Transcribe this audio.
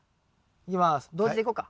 同時でいこうか？